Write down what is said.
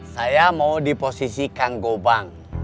saya mau di posisi kang gobang